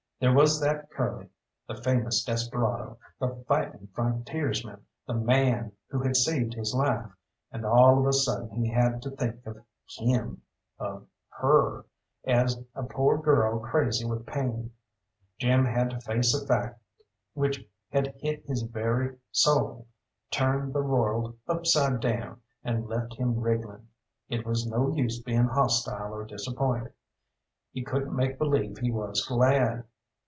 There was that Curly, the famous desperado, the fighting frontiersman, the man who had saved his life and all of a sudden he had to think of him of her as a poor girl crazy with pain. Jim had to face a fact which had hit his very soul, turned the world upside down, and left him wriggling. It was no use being hostile or disappointed; he couldn't make believe he was glad.